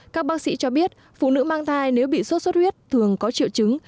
các bác sĩ cho biết phụ nữ mang thai nếu bị sốt xuất huyết thường có triệu chứng